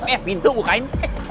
eh pintu bukain